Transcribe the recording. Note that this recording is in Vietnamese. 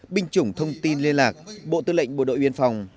binh chủng thông tin liên lạc bộ tư lệnh bộ đội biên phòng